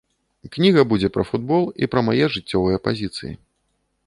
Кніга будзе пра футбол і пра мае жыццёвыя пазіцыі.